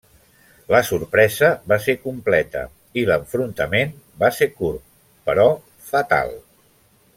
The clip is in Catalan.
La sorpresa va ser completa i l'enfrontament va ser curt però fatal.